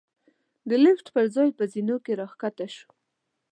د لېفټ پر ځای په زېنو کې را کښته شوو.